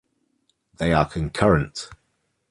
They are concurrent.